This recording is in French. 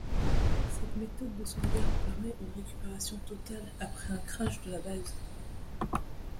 Cette méthode de sauvegarde permet une récupération totale après un crash de la base.